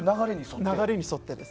流れに沿って。